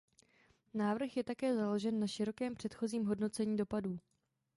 Návrh je také založen na širokém předchozím hodnocení dopadů.